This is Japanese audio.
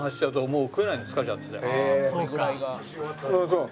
そう。